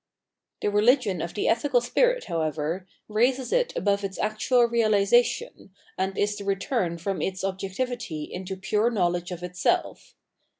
The rehgion of the ethical spirit, however, raises it above its actual reahsation, and is the return from its objectivity into pure knowledge of itself.